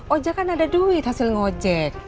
ojek kan ada duit hasil ngojek